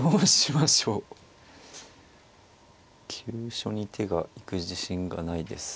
急所に手が行く自信がないです。